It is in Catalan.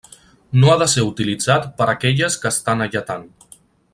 No ha de ser utilitzat per aquelles que estan alletant.